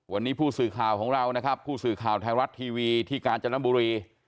วันนี้ผู้สื่อข่าวของเรานะครับผู้สื่อข่าวไทยรัฐทีวีที่กาญจนบุรี